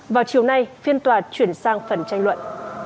vào chiều nay phiên tòa chuyển sang phần tranh luận